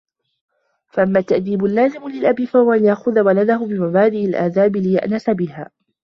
فَأَمَّا التَّأْدِيبُ اللَّازِمُ لِلْأَبِ فَهُوَ أَنْ يَأْخُذَ وَلَدَهُ بِمَبَادِئِ الْآدَابِ لِيَأْنَسَ بِهَا